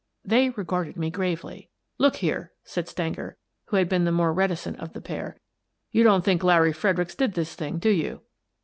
They regarded me gravely. " Look here," said Stenger, who had been the more reticent of the pair. " You don't think Larry Fredericks did this thing, do you